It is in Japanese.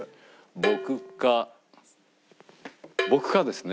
僕か僕かですね。